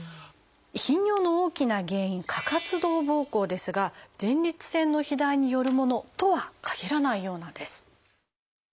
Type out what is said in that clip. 頻尿の大きな原因過活動ぼうこうですが前立腺の肥大によるものとはかぎらないようなんです。